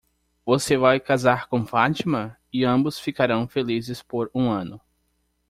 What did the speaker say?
Você vai casar com Fatima? e ambos ficarão felizes por um ano.